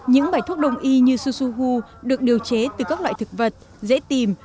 những bài thuốc đông y như sosuhu được điều chế từ các loại thực vật dễ tìm